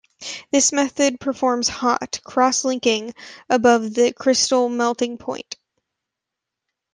This method performs "hot" cross-linking, above the crystal melting point.